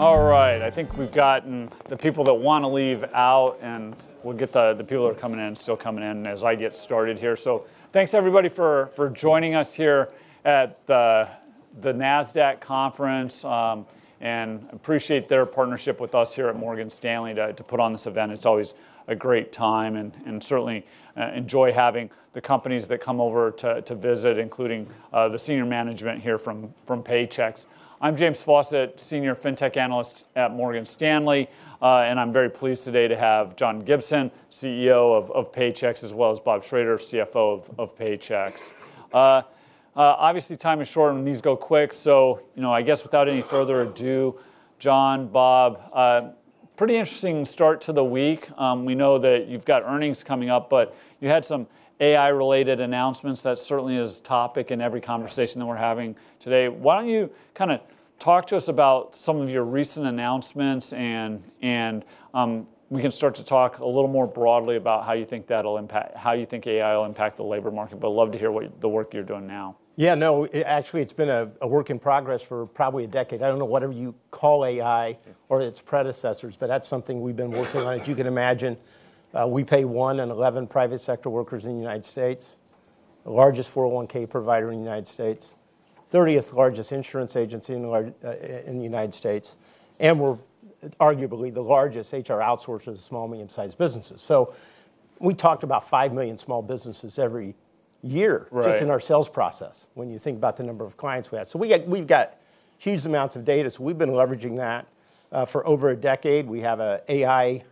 All right. I think we've gotten the people that want to leave out, and we'll get the people that are coming in, still coming in, as I get started here. So thanks, everybody, for joining us here at the Nasdaq Conference, and I appreciate their partnership with us here at Morgan Stanley to put on this event. It's always a great time, and certainly enjoy having the companies that come over to visit, including the senior management here from Paychex. I'm James Faucette, senior fintech analyst at Morgan Stanley, and I'm very pleased today to have John Gibson, CEO of Paychex, as well as Bob Schrader, CFO of Paychex. Obviously, time is short, and these go quick. So I guess without any further ado, John, Bob, pretty interesting start to the week. We know that you've got earnings coming up, but you had some AI-related announcements. That certainly is a topic in every conversation that we're having today. Why don't you kind of talk to us about some of your recent announcements, and we can start to talk a little more broadly about how you think that'll impact, how you think AI will impact the labor market. But I'd love to hear the work you're doing now. Yeah, no, actually, it's been a work in progress for probably a decade. I don't know whatever you call AI or its predecessors, but that's something we've been working on. As you can imagine, we pay one in 11 private sector workers in the United States, the largest 401(k) provider in the United States, 30th largest insurance agency in the United States, and we're arguably the largest HR outsourcer to small, medium-sized businesses. So we talked about 5 million small businesses every year just in our sales process when you think about the number of clients we have. So we've got huge amounts of data. So we've been leveraging that for over a decade. We have an AI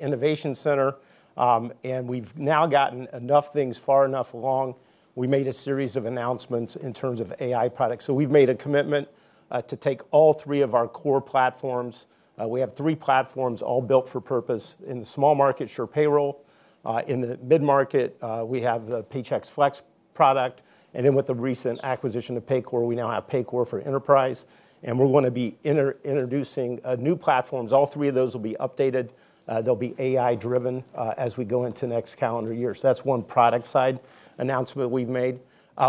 innovation center, and we've now gotten enough things far enough along. We made a series of announcements in terms of AI products. So we've made a commitment to take all three of our core platforms. We have three platforms all built for purpose: in the small market, SurePayroll. In the mid-market, we have the Paychex Flex product. And then with the recent acquisition of Paycor, we now have Paycor for enterprise. And we're going to be introducing new platforms. All three of those will be updated. They'll be AI-driven as we go into next calendar year. So that's one product-side announcement we've made.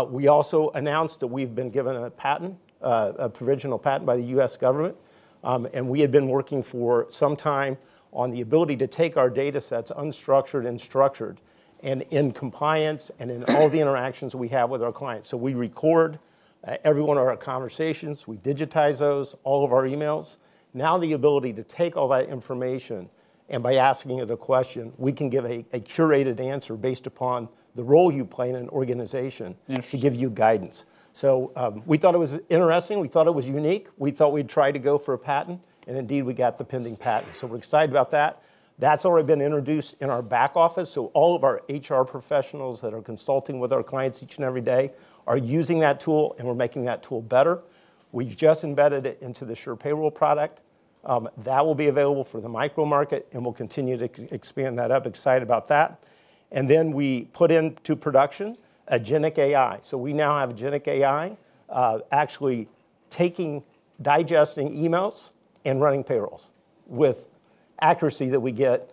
We also announced that we've been given a patent, a provisional patent by the U.S. government, and we had been working for some time on the ability to take our data sets unstructured and structured and in compliance and in all the interactions we have with our clients. So we record every one of our conversations. We digitize those, all of our emails. Now, the ability to take all that information and, by asking it a question, we can give a curated answer based upon the role you play in an organization to give you guidance, so we thought it was interesting. We thought it was unique. We thought we'd try to go for a patent, and indeed we got the pending patent, so we're excited about that. That's already been introduced in our back office, so all of our HR professionals that are consulting with our clients each and every day are using that tool, and we're making that tool better. We've just embedded it into the SurePayroll product. That will be available for the micro market, and we'll continue to expand that up. Excited about that, and then we put into production agentic AI. So we now have agentic AI actually digesting emails and running payrolls with accuracy that we get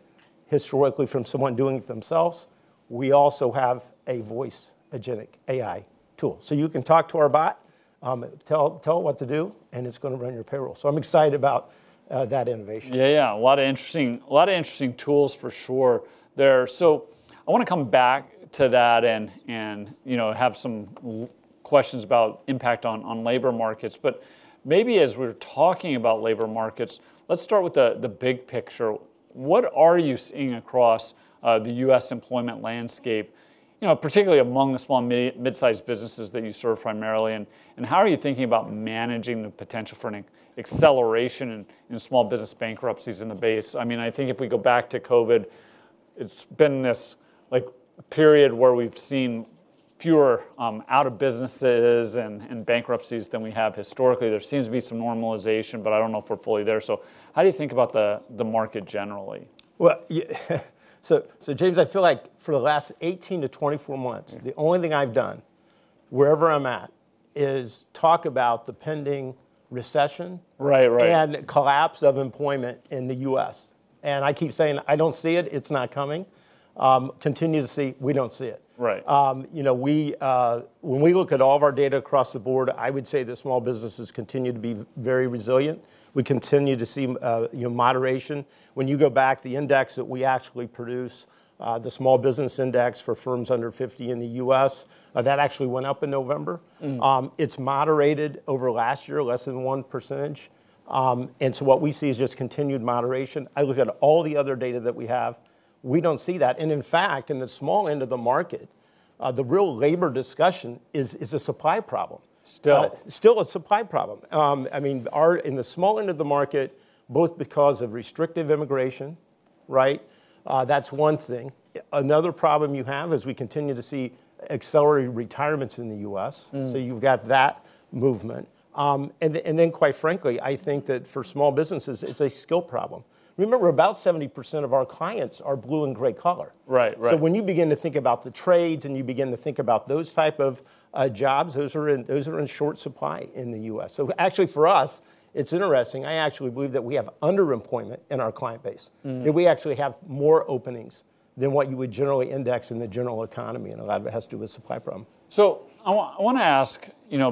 historically from someone doing it themselves. We also have a voice agentic AI tool. So you can talk to our bot, tell it what to do, and it's going to run your payroll. So I'm excited about that innovation. Yeah, yeah, a lot of interesting tools for sure there. So I want to come back to that and have some questions about impact on labor markets. But maybe as we're talking about labor markets, let's start with the big picture. What are you seeing across the U.S. employment landscape, particularly among the small, midsize businesses that you serve primarily? And how are you thinking about managing the potential for an acceleration in small business bankruptcies in the base? I mean, I think if we go back to COVID, it's been this period where we've seen fewer out-of-businesses and bankruptcies than we have historically. There seems to be some normalization, but I don't know if we're fully there. So how do you think about the market generally? Well, so James, I feel like for the last 18 to 24 months, the only thing I've done wherever I'm at is talk about the pending recession and collapse of employment in the U.S., and I keep saying I don't see it. It's not coming. Continue to see we don't see it. When we look at all of our data across the board, I would say the small businesses continue to be very resilient. We continue to see moderation. When you go back, the index that we actually produce, the small business index for firms under 50 in the U.S., that actually went up in November. It's moderated over last year, less than 1%, and so what we see is just continued moderation. I look at all the other data that we have. We don't see that. In fact, in the small end of the market, the real labor discussion is a supply problem. Still a supply problem. In the small end of the market, both because of restrictive immigration. That's one thing. Another problem you have is we continue to see accelerated retirements in the U.S. You've got that movement, and then quite frankly, I think that for small businesses, it's a skill problem. Remember, about 70% of our clients are blue and gray-collar, so when you begin to think about the trades and you begin to think about those types of jobs, those are in short supply in the U.S. Actually for us, it's interesting. I actually believe that we have underemployment in our client base. We actually have more openings than what you would generally index in the general economy, and a lot of it has to do with supply problem. So I want to ask,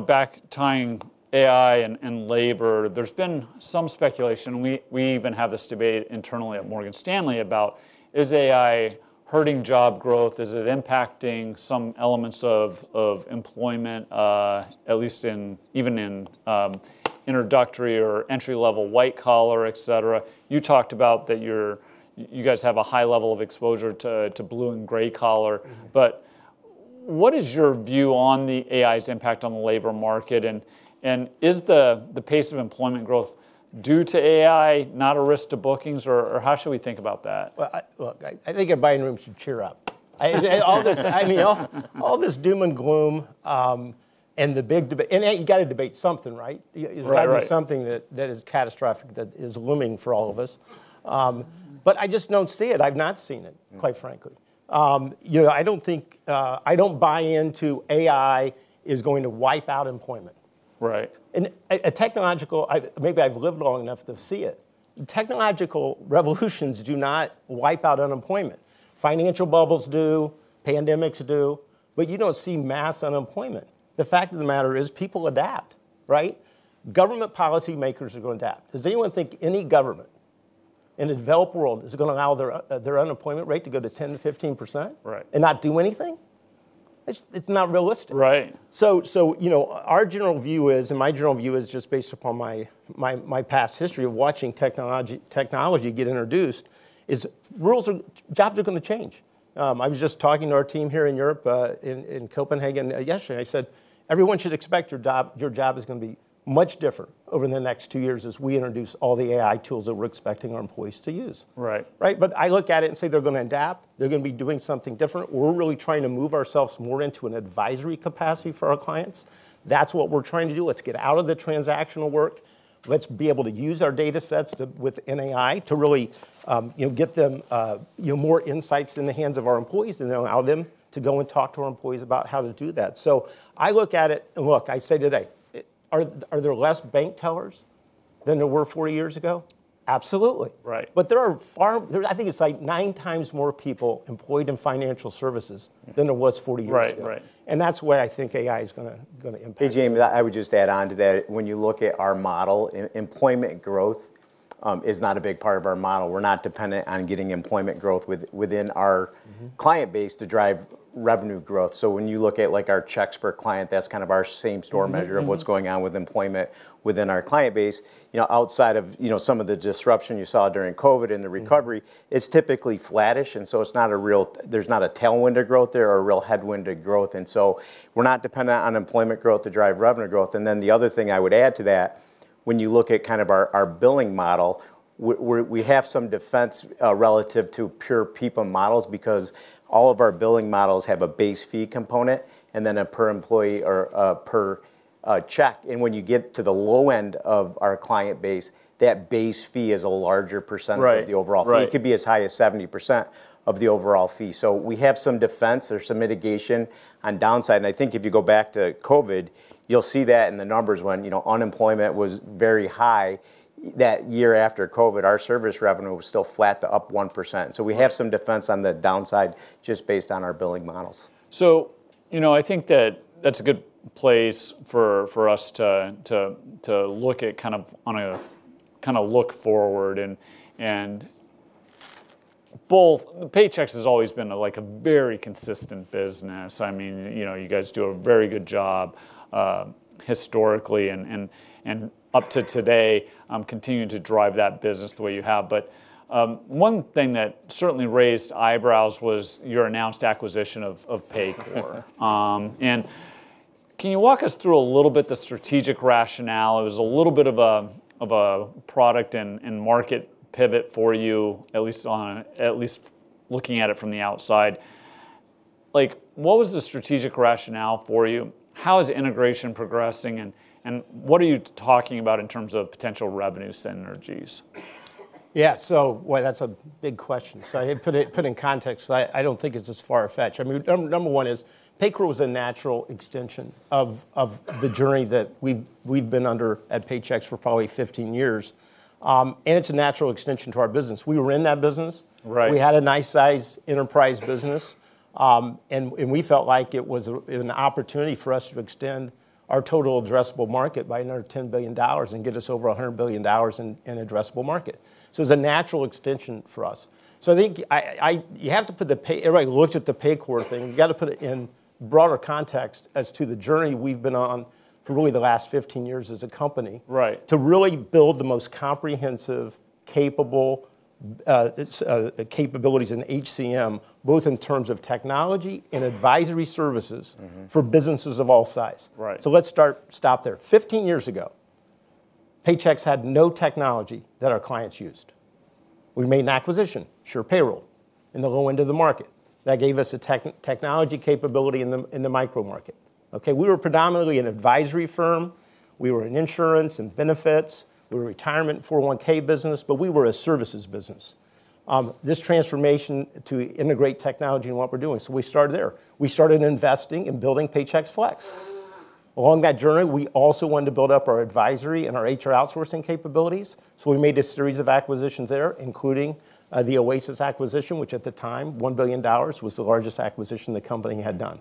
back tying AI and labor, there's been some speculation. We even have this debate internally at Morgan Stanley about is AI hurting job growth? Is it impacting some elements of employment, at least even in introductory or entry-level white collar, et cetera? You talked about that you guys have a high level of exposure to blue and gray collar. But what is your view on AI's impact on the labor market? And is the pace of employment growth due to AI, not a risk to bookings? Or how should we think about that? Well, look, I think everybody in the room should cheer up. All this doom and gloom and the big debate, and you got to debate something, right? There's got to be something that is catastrophic that is looming for all of us. But I just don't see it. I've not seen it, quite frankly. I don't buy into AI is going to wipe out employment. And a technological, maybe I've lived long enough to see it. Technological revolutions do not wipe out unemployment. Financial bubbles do, pandemics do, but you don't see mass unemployment. The fact of the matter is people adapt, right? Government policymakers are going to adapt. Does anyone think any government in the developed world is going to allow their unemployment rate to go to 10%-15% and not do anything? It's not realistic. So our general view is, and my general view is just based upon my past history of watching technology get introduced, is jobs are going to change. I was just talking to our team here in Europe in Copenhagen yesterday. I said, "Everyone should expect your job is going to be much different over the next two years as we introduce all the AI tools that we're expecting our employees to use." But I look at it and say they're going to adapt. They're going to be doing something different. We're really trying to move ourselves more into an advisory capacity for our clients. That's what we're trying to do. Let's get out of the transactional work. Let's be able to use our data sets within AI to really get them more insights in the hands of our employees and allow them to go and talk to our employees about how to do that, so I look at it and look. I say today, are there less bank tellers than there were 40 years ago? Absolutely, but there are, I think it's like nine times more people employed in financial services than there was 40 years ago, and that's why I think AI is going to impact. Hey, James, I would just add on to that. When you look at our model, employment growth is not a big part of our model. We're not dependent on getting employment growth within our client base to drive revenue growth, so when you look at our checks per client, that's kind of our same store measure of what's going on with employment within our client base. Outside of some of the disruption you saw during COVID and the recovery, it's typically flattish, and so it's not a real. There's not a tailwind of growth. There are real headwinds of growth, and so we're not dependent on employment growth to drive revenue growth. And then the other thing I would add to that, when you look at kind of our billing model, we have some defense relative to pure people models because all of our billing models have a base fee component and then a per employee or per check. And when you get to the low end of our client base, that base fee is a larger percentage of the overall fee. It could be as high as 70% of the overall fee. So we have some defense or some mitigation on downside. And I think if you go back to COVID, you'll see that in the numbers when unemployment was very high that year after COVID, our service revenue was still flat to up 1%. So we have some defense on the downside just based on our billing models. So I think that that's a good place for us to look at kind of on a kind of look forward. And both Paychex has always been like a very consistent business. I mean, you guys do a very good job historically and up to today continuing to drive that business the way you have. But one thing that certainly raised eyebrows was your announced acquisition of Paycor. And can you walk us through a little bit the strategic rationale? It was a little bit of a product and market pivot for you, at least looking at it from the outside. What was the strategic rationale for you? How is integration progressing? And what are you talking about in terms of potential revenue synergies? Yeah, so that's a big question, so I put it in context. I don't think it's as far-fetched. I mean, number one is Paycor was a natural extension of the journey that we've been under at Paychex for probably 15 years, and it's a natural extension to our business. We were in that business. We had a nice-sized enterprise business, and we felt like it was an opportunity for us to extend our total addressable market by another $10 billion and get us over $100 billion in addressable market, so it was a natural extension for us, so I think you have to put the, everybody looks at the Paycor thing. You got to put it in broader context as to the journey we've been on for really the last 15 years as a company to really build the most comprehensive capabilities in HCM, both in terms of technology and advisory services for businesses of all size. So let's stop there. 15 years ago, Paychex had no technology that our clients used. We made an acquisition, SurePayroll, and they'll go into the market. That gave us a technology capability in the micro market. Okay, we were predominantly an advisory firm. We were in insurance and benefits. We were a retirement 401(k) business, but we were a services business. This transformation to integrate technology in what we're doing. So we started there. We started investing in building Paychex Flex. Along that journey, we also wanted to build up our advisory and our HR outsourcing capabilities. So we made a series of acquisitions there, including the Oasis acquisition, which at the time $1 billion was the largest acquisition the company had done.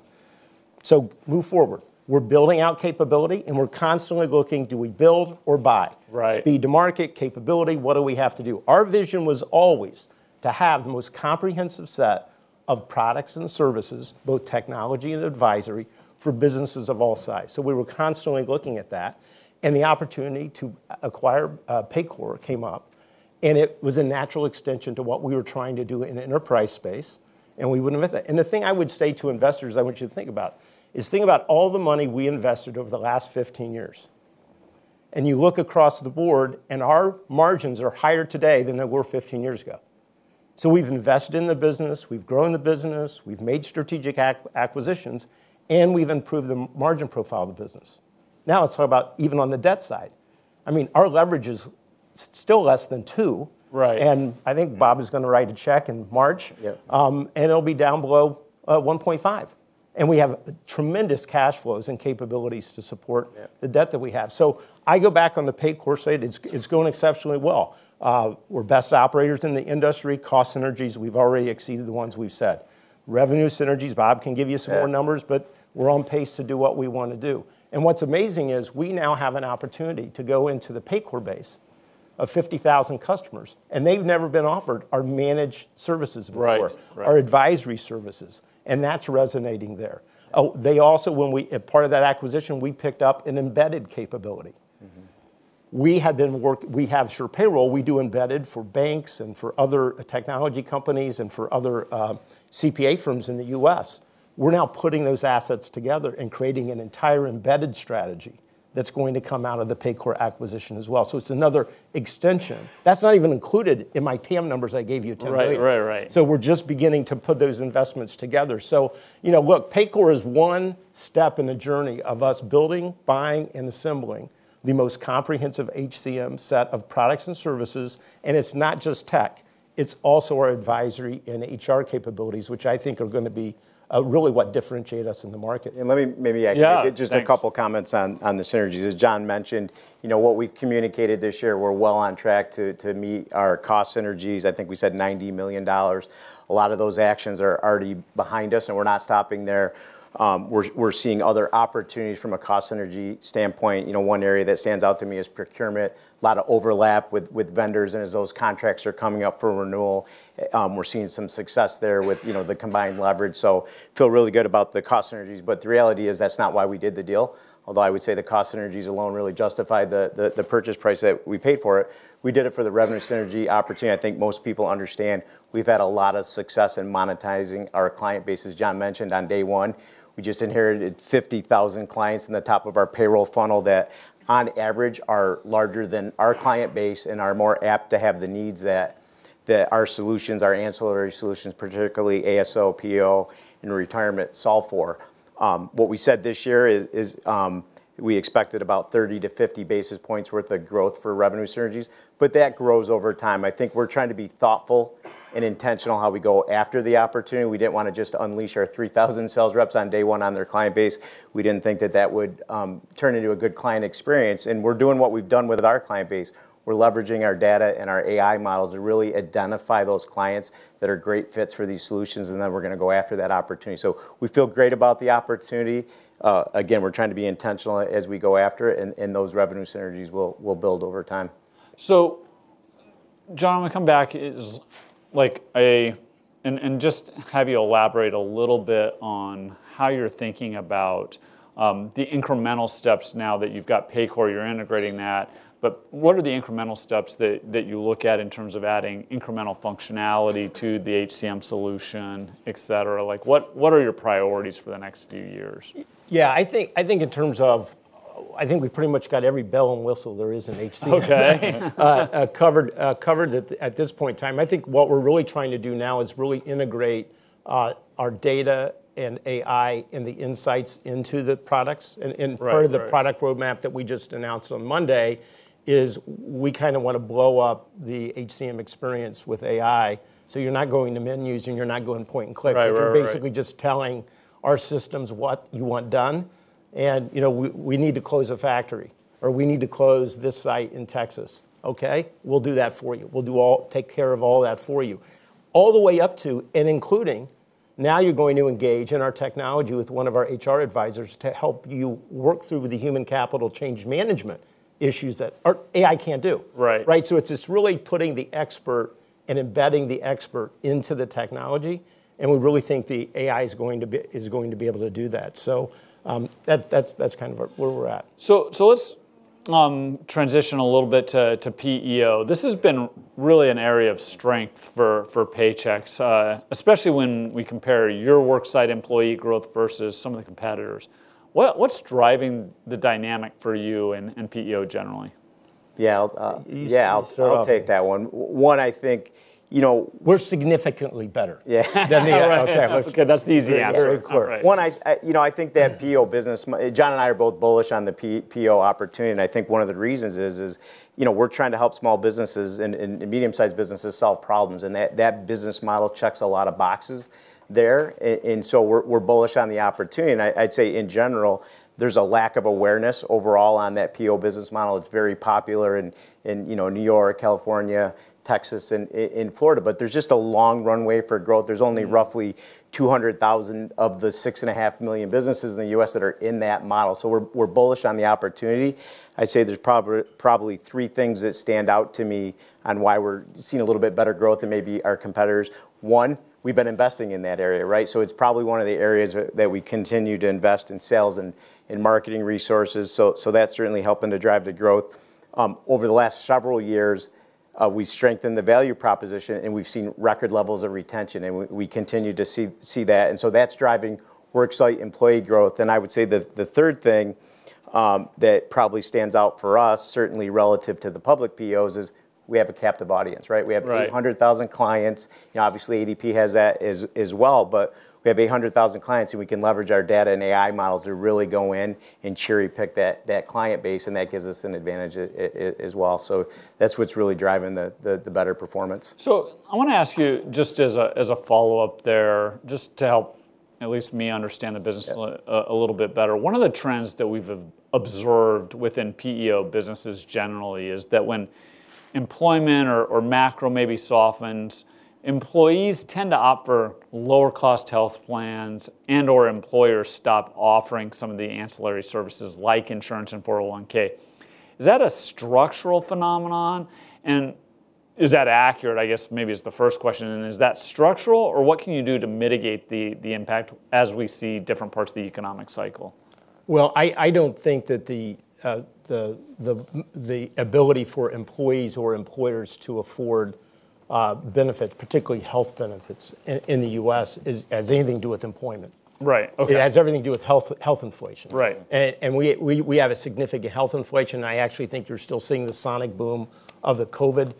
So move forward. We're building out capability, and we're constantly looking, do we build or buy? Speed to market, capability, what do we have to do? Our vision was always to have the most comprehensive set of products and services, both technology and advisory for businesses of all size. So we were constantly looking at that. And the opportunity to acquire Paycor came up. And it was a natural extension to what we were trying to do in the enterprise space. And we wouldn't have met that. And the thing I would say to investors, I want you to think about, is think about all the money we invested over the last 15 years. You look across the board, and our margins are higher today than they were 15 years ago. We've invested in the business. We've grown the business. We've made strategic acquisitions, and we've improved the margin profile of the business. Now let's talk about even on the debt side. I mean, our leverage is still less than 2. I think Bob is going to write a check in March, and it'll be down below 1.5. We have tremendous cash flows and capabilities to support the debt that we have. I go back on the Paycor side. It's going exceptionally well. We're best operators in the industry. Cost synergies, we've already exceeded the ones we've set. Revenue synergies, Bob can give you some more numbers, but we're on pace to do what we want to do. And what's amazing is we now have an opportunity to go into the Paycor base of 50,000 customers. And they've never been offered our managed services before, our advisory services. And that's resonating there. They also, when we part of that acquisition, we picked up an embedded capability. We have been working, we have SurePayroll. We do embedded for banks and for other technology companies and for other CPA firms in the U.S. We're now putting those assets together and creating an entire embedded strategy that's going to come out of the Paycor acquisition as well. So it's another extension. That's not even included in my TTM numbers I gave you 10 days. So we're just beginning to put those investments together. So look, Paycor is one step in the journey of us building, buying, and assembling the most comprehensive HCM set of products and services. It's not just tech. It's also our advisory and HR capabilities, which I think are going to be really what differentiate us in the market. And let me maybe add just a couple of comments on the synergies. As John mentioned, what we communicated this year, we're well on track to meet our cost synergies. I think we said $90 million. A lot of those actions are already behind us, and we're not stopping there. We're seeing other opportunities from a cost synergy standpoint. One area that stands out to me is procurement. A lot of overlap with vendors. And as those contracts are coming up for renewal, we're seeing some success there with the combined leverage. So I feel really good about the cost synergies. But the reality is that's not why we did the deal. Although I would say the cost synergies alone really justify the purchase price that we paid for it. We did it for the revenue synergy opportunity. I think most people understand we've had a lot of success in monetizing our client base. As John mentioned on day one, we just inherited 50,000 clients in the top of our payroll funnel that on average are larger than our client base and are more apt to have the needs that our solutions, our ancillary solutions, particularly ASO, PEO, and retirement solve for. What we said this year is we expected about 30-50 basis points worth of growth for revenue synergies. But that grows over time. I think we're trying to be thoughtful and intentional how we go after the opportunity. We didn't want to just unleash our 3,000 sales reps on day one on their client base. We didn't think that that would turn into a good client experience. And we're doing what we've done with our client base. We're leveraging our data and our AI models to really identify those clients that are great fits for these solutions. And then we're going to go after that opportunity. So we feel great about the opportunity. Again, we're trying to be intentional as we go after it. And those revenue synergies will build over time. So John, I want to come back and just have you elaborate a little bit on how you're thinking about the incremental steps now that you've got Paycor, you're integrating that. But what are the incremental steps that you look at in terms of adding incremental functionality to the HCM solution, etc.? What are your priorities for the next few years? Yeah, I think in terms of, I think we pretty much got every bell and whistle there is in HCM covered at this point in time. I think what we're really trying to do now is really integrate our data and AI and the insights into the products, and part of the product roadmap that we just announced on Monday is we kind of want to blow up the HCM experience with AI, so you're not going to menus and you're not going point and click. You're basically just telling our systems what you want done, and we need to close a factory or we need to close this site in Texas. Okay, we'll do that for you. We'll take care of all that for you. All the way up to and including now you're going to engage in our technology with one of our HR advisors to help you work through the human capital change management issues that AI can't do. So it's just really putting the expert and embedding the expert into the technology. And we really think the AI is going to be able to do that. So that's kind of where we're at. So let's transition a little bit to PEO. This has been really an area of strength for Paychex, especially when we compare your worksite employee growth versus some of the competitors. What's driving the dynamic for you and PEO generally? Yeah, I'll take that one. One, I think we're significantly better than the other. Okay, that's the easy answer. One, I think that PEO business, John and I are both bullish on the PEO opportunity. And I think one of the reasons is we're trying to help small businesses and medium-sized businesses solve problems. And that business model checks a lot of boxes there. And so we're bullish on the opportunity. And I'd say in general, there's a lack of awareness overall on that PEO business model. It's very popular in New York, California, Texas, and Florida. But there's just a long runway for growth. There's only roughly 200,000 of the 6.5 million businesses in the U.S. that are in that model. So we're bullish on the opportunity. I'd say there's probably three things that stand out to me on why we're seeing a little bit better growth than maybe our competitors. One, we've been investing in that area. So it's probably one of the areas that we continue to invest in sales and marketing resources. So that's certainly helping to drive the growth. Over the last several years, we strengthened the value proposition, and we've seen record levels of retention. And we continue to see that. And so that's driving worksite employee growth. And I would say the third thing that probably stands out for us, certainly relative to the public PEOs, is we have a captive audience. We have 800,000 clients. Obviously, ADP has that as well. But we have 800,000 clients, and we can leverage our data and AI models to really go in and cherry pick that client base. And that gives us an advantage as well. So that's what's really driving the better performance. So I want to ask you just as a follow-up there, just to help at least me understand the business a little bit better. One of the trends that we've observed within PEO businesses generally is that when employment or macro may be softened, employees tend to opt for lower-cost health plans and/or employers stop offering some of the ancillary services like insurance and 401(k). Is that a structural phenomenon? And is that accurate? I guess maybe is the first question. And is that structural? Or what can you do to mitigate the impact as we see different parts of the economic cycle? Well, I don't think that the ability for employees or employers to afford benefits, particularly health benefits in the U.S., has anything to do with employment. It has everything to do with health inflation. And we have a significant health inflation. I actually think you're still seeing the sonic boom of the COVID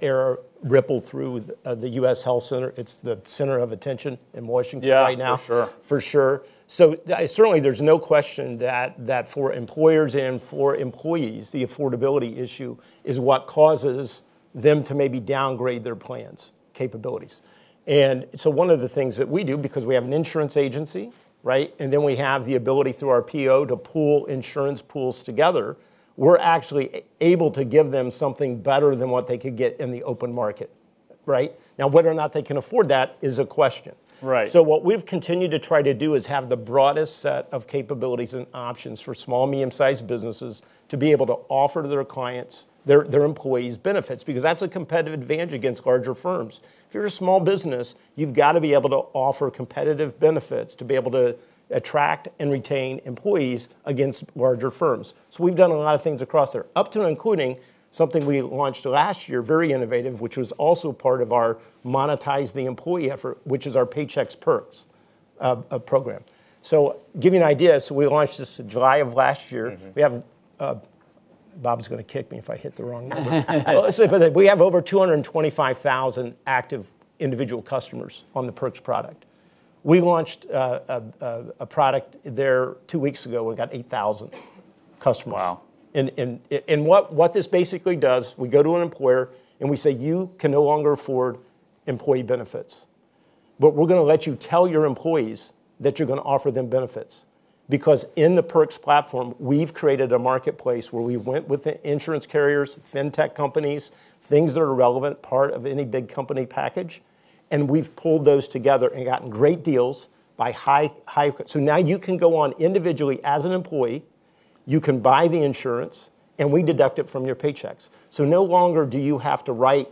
era ripple through the U.S. health center. It's the center of attention in Washington right now. For sure. So certainly, there's no question that for employers and for employees, the affordability issue is what causes them to maybe downgrade their plans, capabilities. And so one of the things that we do, because we have an insurance agency, and then we have the ability through our PEO to pull insurance pools together, we're actually able to give them something better than what they could get in the open market. Now, whether or not they can afford that is a question. So what we've continued to try to do is have the broadest set of capabilities and options for small, medium-sized businesses to be able to offer their clients, their employees, benefits. Because that's a competitive advantage against larger firms. If you're a small business, you've got to be able to offer competitive benefits to be able to attract and retain employees against larger firms. So we've done a lot of things across there, up to including something we launched last year, very innovative, which was also part of our monetize the employee effort, which is our Paychex Perks program. So give you an idea, so we launched this in July of last year. We have, Bob's going to kick me if I hit the wrong number. We have over 225,000 active individual customers on the Perks product. We launched a product there two weeks ago. We got 8,000 customers, and what this basically does, we go to an employer and we say, you can no longer afford employee benefits, but we're going to let you tell your employees that you're going to offer them benefits. Because in the Perks platform, we've created a marketplace where we went with the insurance carriers, fintech companies, things that are a relevant part of any big company package, and we've pulled those together and gotten great deals by volume, so now you can log on individually as an employee. You can buy the insurance, and we deduct it from your paychecks, so no longer do you have to write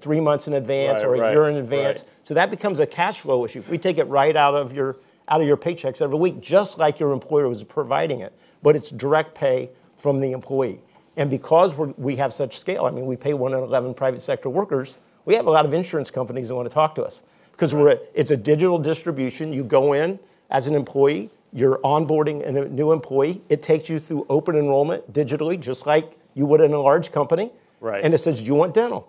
three months in advance or a year in advance, so that becomes a cash flow issue. We take it right out of your paychecks every week, just like your employer was providing it, but it's direct pay from the employee and because we have such scale, I mean, we pay one in 11 private sector workers, we have a lot of insurance companies that want to talk to us because it's a digital distribution. You go in as an employee, you're onboarding a new employee. It takes you through open enrollment digitally, just like you would in a large company, and it says, do you want dental?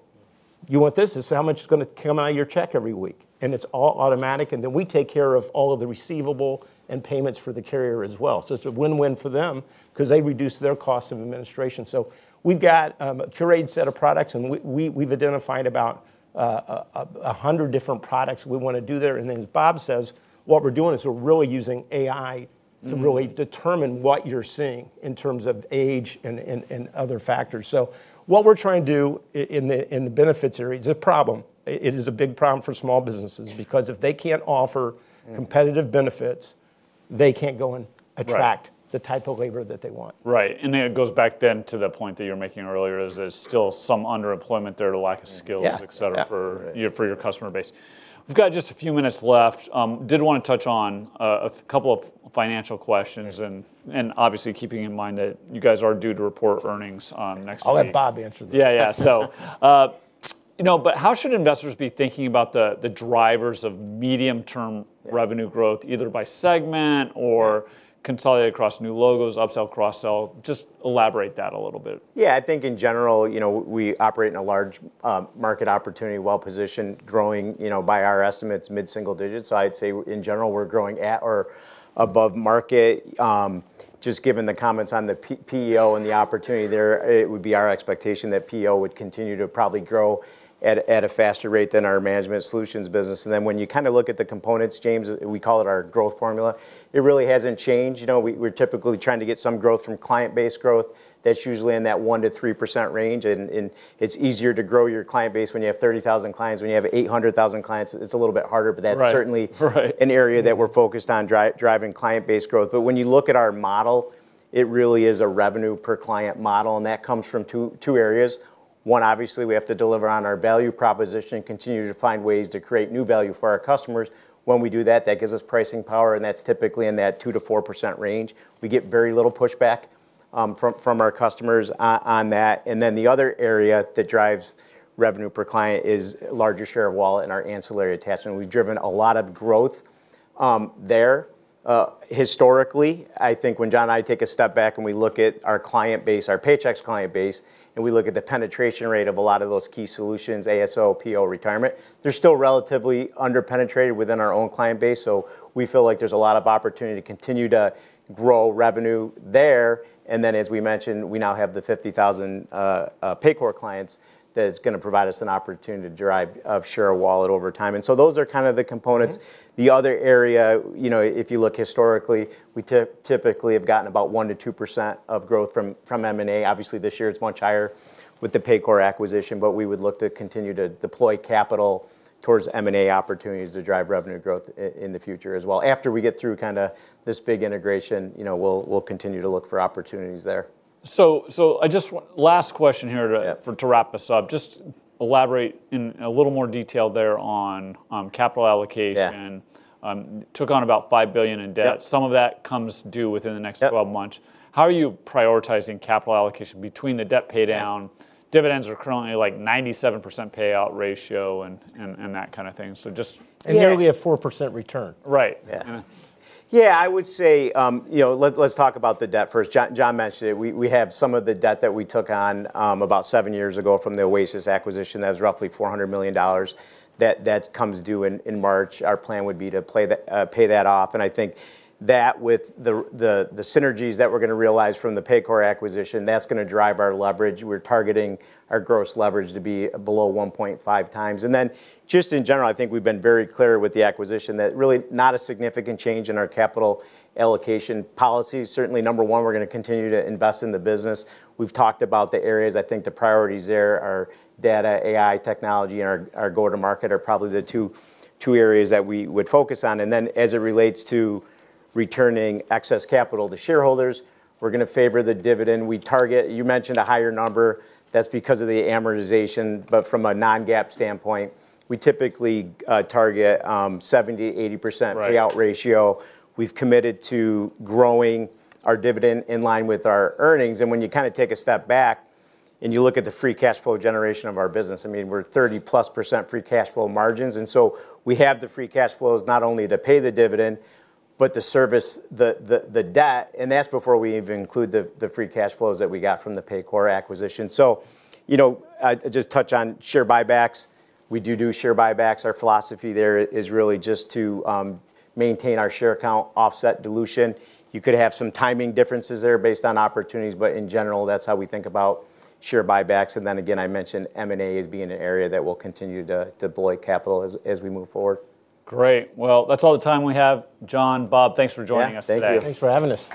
You want this? This is how much it's going to come out of your check every week, and it's all automatic, and then we take care of all of the receivable and payments for the carrier as well, so it's a win-win for them because they reduce their cost of administration. So we've got a curated set of products, and we've identified about 100 different products we want to do there. And then as Bob says, what we're doing is we're really using AI to really determine what you're seeing in terms of age and other factors. So what we're trying to do in the benefits area is a problem. It is a big problem for small businesses. Because if they can't offer competitive benefits, they can't go and attract the type of labor that they want. Right. And it goes back then to the point that you were making earlier is there's still some underemployment there to lack of skills, etc., for your customer base. We've got just a few minutes left. Did want to touch on a couple of financial questions. And obviously, keeping in mind that you guys are due to report earnings next week. I'll let Bob answer this. Yeah, yeah. But how should investors be thinking about the drivers of medium-term revenue growth, either by segment or consolidated across new logos, upsell, cross-sell? Just elaborate that a little bit. Yeah, I think in general, we operate in a large market opportunity, well-positioned, growing by our estimates, mid-single digits. So I'd say in general, we're growing at or above market. Just given the comments on the PEO and the opportunity there, it would be our expectation that PEO would continue to probably grow at a faster rate than our management solutions business. And then when you kind of look at the components, James, we call it our growth formula. It really hasn't changed. We're typically trying to get some growth from client-based growth. That's usually in that 1%-3% range. And it's easier to grow your client base when you have 30,000 clients. When you have 800,000 clients, it's a little bit harder. But that's certainly an area that we're focused on driving client-based growth. But when you look at our model, it really is a revenue per client model. And that comes from two areas. One, obviously, we have to deliver on our value proposition, continue to find ways to create new value for our customers. When we do that, that gives us pricing power. And that's typically in that 2%-4% range. We get very little pushback from our customers on that. And then the other area that drives revenue per client is larger share of wallet and our ancillary attachment. We've driven a lot of growth there. Historically, I think when John and I take a step back and we look at our client base, our Paychex client base, and we look at the penetration rate of a lot of those key solutions, ASO, PEO, retirement, they're still relatively underpenetrated within our own client base. So we feel like there's a lot of opportunity to continue to grow revenue there. And then, as we mentioned, we now have the 50,000 Paycor clients that's going to provide us an opportunity to drive up share of wallet over time. And so those are kind of the components. The other area, if you look historically, we typically have gotten about 1%-2% of growth from M&A. Obviously, this year it's much higher with the Paycor acquisition. But we would look to continue to deploy capital towards M&A opportunities to drive revenue growth in the future as well. After we get through kind of this big integration, we'll continue to look for opportunities there. So last question here to wrap us up. Just elaborate in a little more detail there on capital allocation. Took on about $5 billion in debt. Some of that comes due within the next 12 months. How are you prioritizing capital allocation between the debt paydown? Dividends are currently like 97% payout ratio and that kind of thing. So just. Here we have 4% return. Right. Yeah, I would say let's talk about the debt first. John mentioned it. We have some of the debt that we took on about seven years ago from the Oasis acquisition. That was roughly $400 million. That comes due in March. Our plan would be to pay that off, and I think that with the synergies that we're going to realize from the Paycor acquisition, that's going to drive our leverage. We're targeting our gross leverage to be below 1.5x, and then just in general, I think we've been very clear with the acquisition that really not a significant change in our capital allocation policy. Certainly, number one, we're going to continue to invest in the business. We've talked about the areas. I think the priorities there are data, AI, technology, and our go-to-market are probably the two areas that we would focus on. And then as it relates to returning excess capital to shareholders, we're going to favor the dividend. You mentioned a higher number. That's because of the amortization. But from a non-GAAP standpoint, we typically target 70%-80% payout ratio. We've committed to growing our dividend in line with our earnings. And when you kind of take a step back and you look at the free cash flow generation of our business, I mean, we're 30%+ free cash flow margins. And so we have the free cash flows not only to pay the dividend, but to service the debt. And that's before we even include the free cash flows that we got from the Paycor acquisition. So I'll just touch on share buybacks. We do do share buybacks. Our philosophy there is really just to maintain our share count offset dilution. You could have some timing differences there based on opportunities. But in general, that's how we think about share buybacks. And then again, I mentioned M&A as being an area that we'll continue to deploy capital as we move forward. Great. Well, that's all the time we have. John, Bob, thanks for joining us today. Thank you. Thanks for having us.